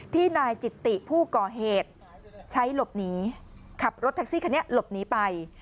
นายจิตติผู้ก่อเหตุใช้หลบหนีขับรถแท็กซี่คันนี้หลบหนีไป